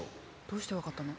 どうしてわかったの？